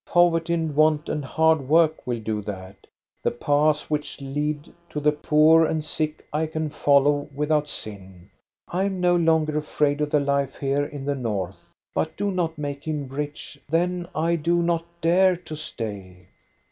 Poverty and want and hard work will do that. The paths which lead to the poor and sick I can follow without sin. I am no longer afraid of the life here in the north. But do not make him rich ; then I do not dare to stay.